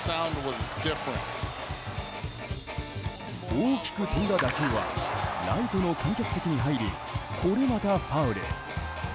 大きく飛んだ打球はライトの観客席に入りこれまたファウル。